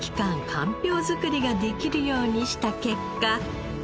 かんぴょう作りができるようにした結果。